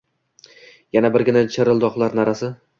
Yana birgina chirildoqlar na’rasi